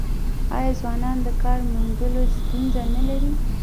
آیا ځوانان د کار موندلو ستونزه نلري؟